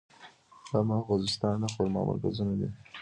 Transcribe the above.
بم او خوزستان د خرما مرکزونه دي.